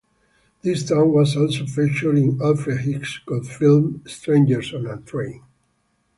This town was also featured in Alfred Hitchcock's film "Strangers on a Train".